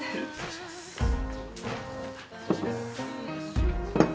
失礼します。